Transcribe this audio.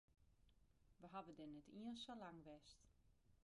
We hawwe dêr net iens sa lang west.